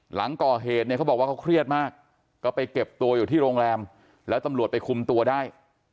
หลังก่อเหตุเนี่ยเขาบอกว่าเขาเครียดมากก็ไปเก็บตัวอยู่ที่โรงแรมแล้วตำรวจไปคุมตัวได้